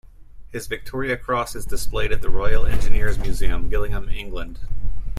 His Victoria Cross is displayed at the Royal Engineers Museum, Gillingham, England.